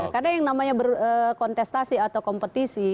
karena yang namanya berkontestasi atau kompetisi